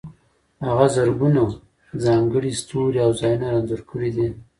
هغه زرګونه ځانګړي ستوري او ځایونه انځور کړي دي.